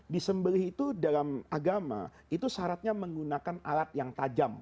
disembelih itu dalam agama itu syaratnya menggunakan alat yang tajam